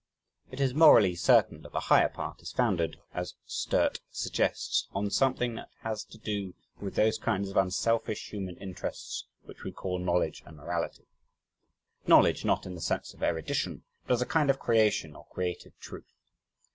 It is morally certain that the higher part is founded, as Sturt suggests, on something that has to do with those kinds of unselfish human interests which we call knowledge and morality knowledge, not in the sense of erudition, but as a kind of creation or creative truth.